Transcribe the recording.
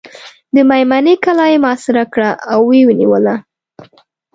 د مېمنې کلا یې محاصره کړه او ویې نیوله.